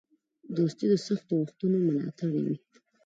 دوستي د سختو وختونو ملاتړی وي.